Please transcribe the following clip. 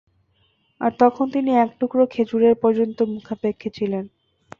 আর তখন তিনি এক টুকরো খেজুরের পর্যন্ত মুখাপেক্ষী ছিলেন।